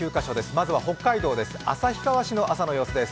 まずは北海道です。